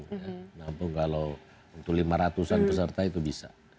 menampung kalau untuk lima ratusan peserta itu bisa